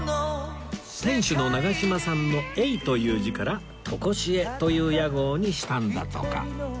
店主の永島さんの「永」という字から「とこしえ」という屋号にしたんだとか